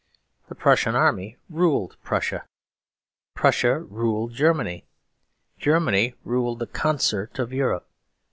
The Prussian Army ruled Prussia; Prussia ruled Germany; Germany ruled the Concert of Europe.